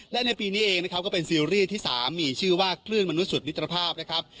และในปีนี้เองนะครับก็เป็นซีรีส์ที่สามีชื่อว่าคลื่นมนุษย์สุดมิตรภาพนะครับ